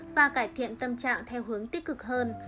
và cải thiện tâm trạng theo hướng tích cực hơn